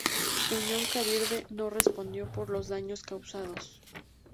Union Carbide no respondió por los daños causados.